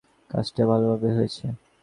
কাজটা ভালভাবেই হয়েছে।